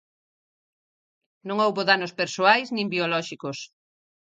Non houbo danos persoais nin biolóxicos.